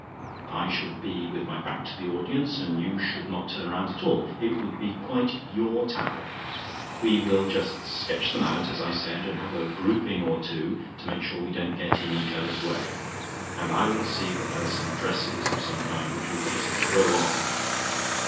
I should be with my back to the audience, and should not turn round at all; it would be quite your tableaux. We will just sketch them out, as I said, and have a grouping or two to make sure we don't get in each other's way, and I will see that there are some dresses of some kind which we can just throw on.